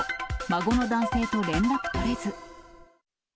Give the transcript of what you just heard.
孫の男性と連絡取れず。